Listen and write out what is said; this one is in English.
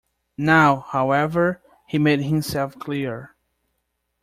Now, however, he made himself clear.